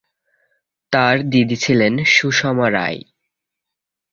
তার দিদি ছিলেন সুষমা রায়।